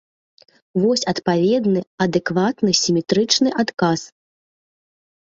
Вось адпаведны, адэкватны, сіметрычны адказ.